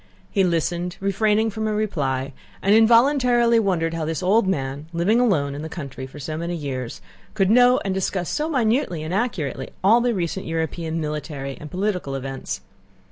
He listened, refraining from a reply, and involuntarily wondered how this old man, living alone in the country for so many years, could know and discuss so minutely and acutely all the recent European military and political events.